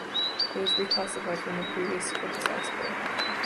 It was reclassified from the previous "Scirpus asper".